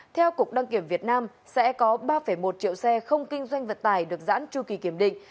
theo cục đăng kiểm việt nam sẽ có ba một triệu xe không kinh doanh vận tải được giãn tru kỳ kiểm định